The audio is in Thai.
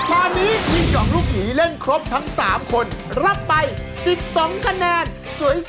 ตอนนี้ทีม๒ลูกหยีเล่นครบทั้ง๓คนรับไป๑๒คะแนน